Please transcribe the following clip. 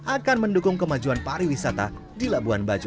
akan mendukung kemajuan pariwisata di labuan bajo